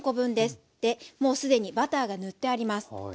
でもうすでにバターが塗ってあります。